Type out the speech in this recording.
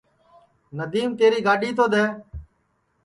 ندیم تیری گاڈؔی تو دؔے